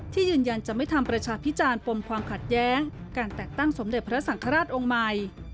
ยืนยันจะไม่ทำประชาพิจารณ์ปมความขัดแย้งการแต่งตั้งสมเด็จพระสังฆราชองค์ใหม่